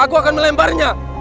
aku akan melemparnya